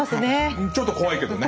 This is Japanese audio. うんちょっと怖いけどね。